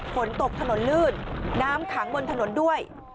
ฝนตกถนนลื่นน้ำขังบนถนนด้วย